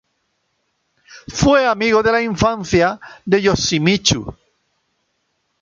Fue amigo de la infancia de Yoshimitsu.